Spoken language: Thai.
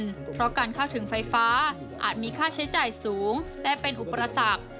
ในชุมชนเพราะการเข้าถึงไฟฟ้าอาจมีค่าใช้จ่ายสูงและเป็นอุปราศักดิ์